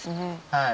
はい。